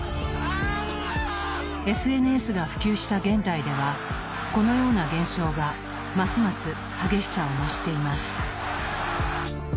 ＳＮＳが普及した現代ではこのような現象がますます激しさを増しています。